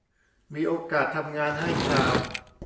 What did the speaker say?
มีโอกาสทำงานให้ชาว